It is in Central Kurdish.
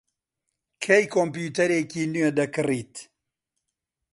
کەی کۆمپیوتەرێکی نوێ دەکڕیت؟